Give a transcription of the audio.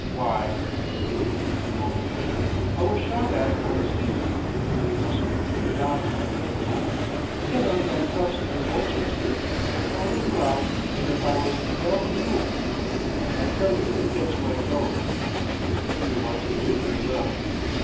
"Why," he continued a moment later, "I was shot at on the steamer, nearly hustled into the docks at Liverpool, set on by toughs in Manchester and followed around as if I was a bell mule. I tell you it gets my goat. This country wants gingering up."